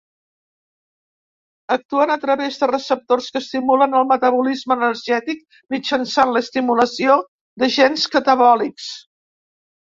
Actuen a través de receptors que estimulen el metabolisme energètic mitjançant l'estimulació de gens catabòlics.